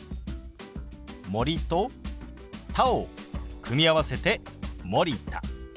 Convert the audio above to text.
「森」と「田」を組み合わせて「森田」。